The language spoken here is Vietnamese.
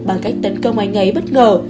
bằng cách tấn công anh ấy bất ngờ